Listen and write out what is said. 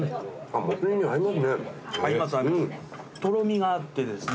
とろみがあって。